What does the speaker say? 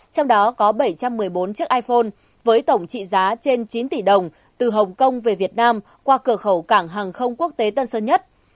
trong đó có bảy trăm một mươi bốn chiếc iphone với tổng trị giá trên chín tỷ đồng từ hồng kông về việt nam qua cửa khẩu cảng hàng không quốc tế tân sơn nhất